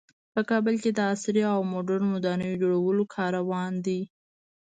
په کابل کې د عصري او مدرن ودانیو جوړولو کار روان ده